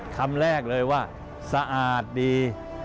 คำแรกเลยว่าสะอาดดี